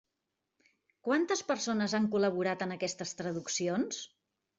Quantes persones han col·laborat en aquestes traduccions?